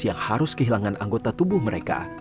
yang harus kehilangan anggota tubuh mereka